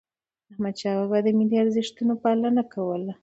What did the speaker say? احمد شاه بابا د ملي ارزښتونو پالنه کوله.